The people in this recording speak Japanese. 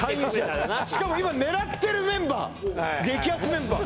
しかも今狙ってるメンバー激アツメンバー